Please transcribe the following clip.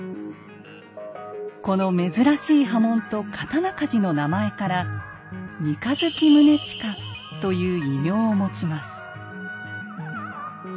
この珍しい刃文と刀鍛冶の名前から「三日月宗近」という異名を持ちます。